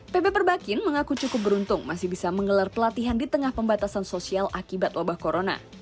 pb perbakin mengaku cukup beruntung masih bisa menggelar pelatihan di tengah pembatasan sosial akibat wabah corona